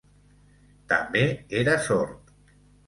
També era sord.